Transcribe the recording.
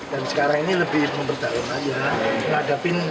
dan sekarang ini lebih memperdaun aja